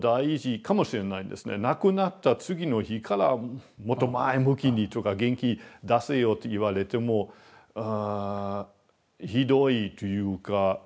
亡くなった次の日からもっと前向きにとか元気出せよと言われてもひどいというか。